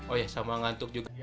oh iya sama ngantuk juga